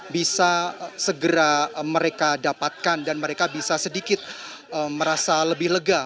bisa segera mereka dapatkan dan mereka bisa sedikit merasa lebih lega